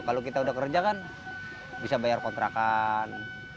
kalau kita udah kerja kan bisa bayar kontrakan